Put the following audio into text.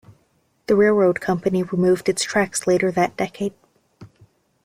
The railroad company removed its tracks later that decade.